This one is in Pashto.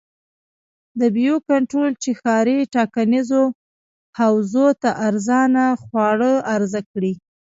د بیو کنټرول چې ښاري ټاکنیزو حوزو ته ارزانه خواړه عرضه کړي.